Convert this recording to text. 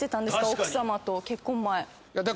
奥さまと結婚前。